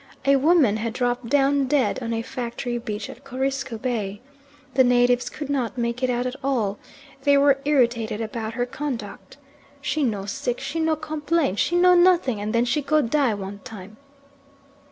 A woman had dropped down dead on a factory beach at Corisco Bay. The natives could not make it out at all. They were irritated about her conduct: "She no sick, she no complain, she no nothing, and then she go die one time."